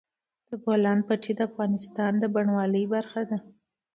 د بولان پټي د افغانستان د بڼوالۍ برخه ده.